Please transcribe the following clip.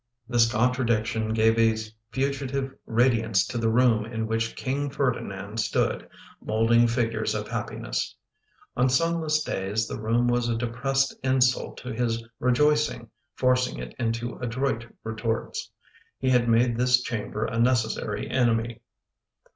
This contradiction gave a fugitive radiance to the room in which King Ferdinand stood, moulding figures of happiness. On sunless days the room was a depressed insult to his re joicing, forcing it into adroit retorts. He had made this chamber a necessary enemy.